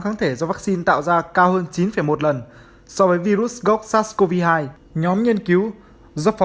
kháng thể do vaccine tạo ra cao hơn chín một lần so với virus gốc sars cov hai nhóm nghiên cứu giúp phóng